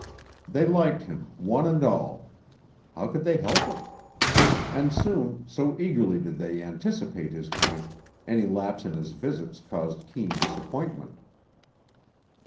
They liked him one and all; how could they help it? And soon, so eagerly did they anticipate his coming, any lapse in his visits caused keen disappointment.